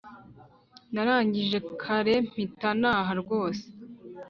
Narangije kare mpita naha rwose